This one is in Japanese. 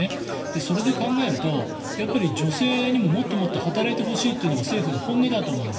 それで考えると女性にももっともっと働いてほしいというのが政府の本音だと思うんです。